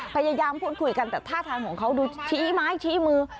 พยายามพูดคุยกันแต่ท่าทางของเขาดูชี้ไม้ชี้มือ